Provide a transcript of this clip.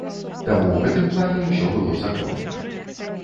Таму ў гэтым плане ўсё было законна.